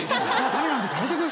駄目なんですか？